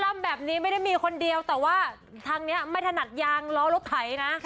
ล่ำแบบนี้ไม่ได้มีคนเดียวแต่ว่าทางนี้ไม่ถนัดยางล้อรถไถนะ